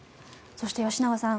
そして吉永さん